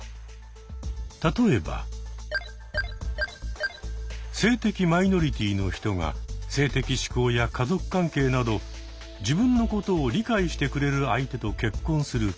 例えば性的マイノリティーの人が性的指向や家族関係など自分のことを理解してくれる相手と結婚するケース。